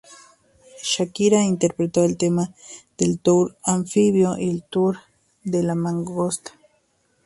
Shakira interpretó el tema en el Tour Anfibio y el Tour de la Mangosta.